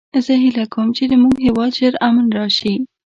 زه هیله کوم چې د مونږ هیواد کې ژر امن راشي